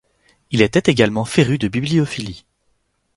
Il était également féru de bibliophilie.